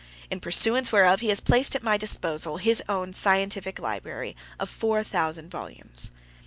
In pursuance whereof, he has placed at my disposal his own scientific library of four thousand volumes.